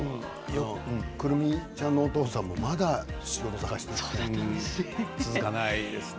久留美ちゃんのお父さんもまだ仕事、探しているんだね。